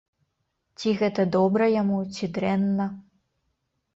Ці гэта добра яму, ці дрэнна?